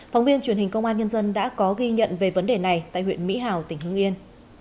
phóng viên truyền hình công an nhân dân đã có ghi nhận về vấn đề này tại huyện mỹ hào tỉnh hưng yên